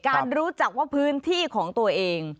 รู้จักว่าพื้นที่ของตัวเอง